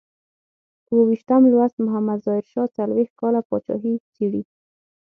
اوو ویشتم لوست محمد ظاهر شاه څلویښت کاله پاچاهي څېړي.